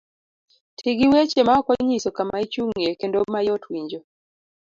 Ti gi weche maok onyiso kama ichung'ye kendo mayot winjo.